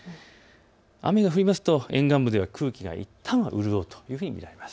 雨が降りますと沿岸部では空気がいったんは潤うと見られます。